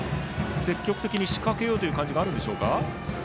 積極的に仕掛けようという感じでしょうか。